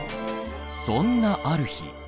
そんなある日。